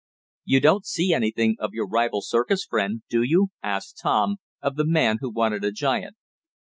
"You don't see anything of your rival circus friend, do you?" asked Tom, of the man who wanted a giant.